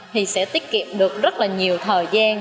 thì sẽ tiết kiệm được rất là nhiều thời gian